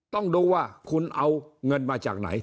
ต้องดูว่าคุณเอาเงินมาจากไหน